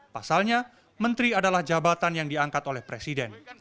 pasalnya menteri adalah jabatan yang diangkat oleh presiden